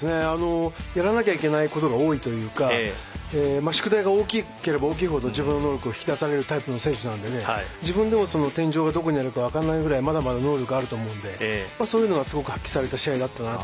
やらなきゃいけないことが多いというか宿題が大きければ大きいほど自分の能力が引き出されるタイプの選手なので自分でも天井がどこにあるか分からないぐらい、まだまだ能力あると思うのでそういうのは発揮された試合だったなと。